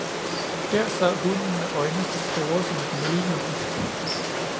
Dér sad hunden med øjne så store, som et møllehjul.